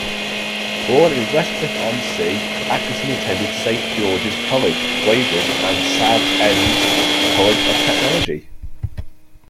Born in Westcliff-on-Sea, Atkinson attended Saint George's College, Weybridge and Southend College of Technology.